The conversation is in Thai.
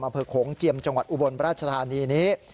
อำเภอโขงเจียมจังหวัดอุบลราชธานีนี้